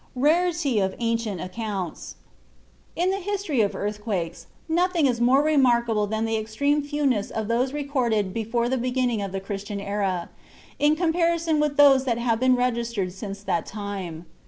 RARITY OF ANCIENT ACCOUNTS In the history of earthquakes nothing is more remarkable than the extreme fewness of those recorded before the beginning of the Christian era, in comparison with those that have been registered since that time.